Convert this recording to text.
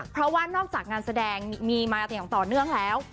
เพราะว่านอกจากงานแสดงมีมาอย่างต่อเนื่องแล้ว